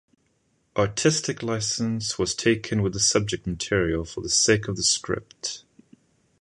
Artistic license was taken with the subject material for the sake of the script.